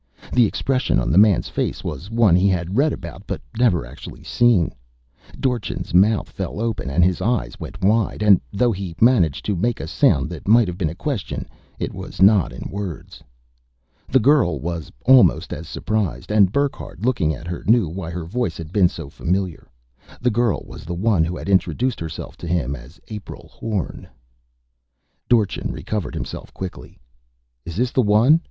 The expression on the man's face was one he had read about but never actually seen: Dorchin's mouth fell open and his eyes went wide, and though he managed to make a sound that might have been a question, it was not in words. The girl was almost as surprised. And Burckhardt, looking at her, knew why her voice had been so familiar. The girl was the one who had introduced herself to him as April Horn. Dorchin recovered himself quickly. "Is this the one?"